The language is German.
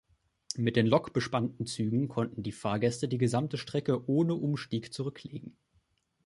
Mit den lokbespannten Zügen konnten die Fahrgäste die gesamte Strecke ohne Umstieg zurücklegen.